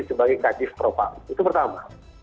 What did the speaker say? sebagai kadif propam itu pertama